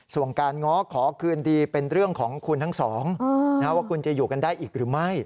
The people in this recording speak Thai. ส่วนการง้อขอคืนดีเป็นเรื่องของคุณทั้งสองว่าคุณจะอยู่กันได้อีกหรือไม่